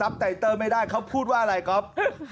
ครับแต่เตอร์ไม่ได้เขาพูดว่าอะไรครับ